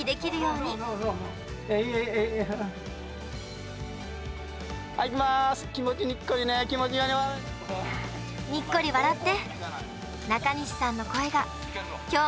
にっこり笑って。